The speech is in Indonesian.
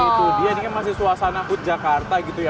itu dia ini kan masih suasana good jakarta gitu ya